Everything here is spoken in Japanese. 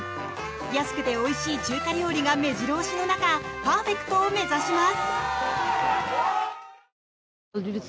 安くておいしい中華料理が目白押しの中パーフェクトを目指します。